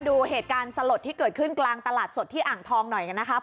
ดูเหตุการณ์สลดที่เกิดขึ้นกลางตลาดสดที่อ่างทองหน่อยกันนะครับ